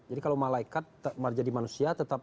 jadi kalau malaikat menjadi manusia tetap